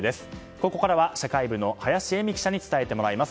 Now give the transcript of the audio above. ここからは社会部の林英美記者に伝えてもらいます。